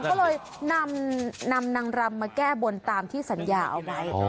ก็เลยนำนางรำมาแก้บนตามที่สัญญาเอาไว้